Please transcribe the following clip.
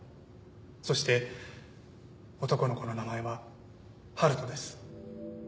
そして男の子の名前は「春人」です。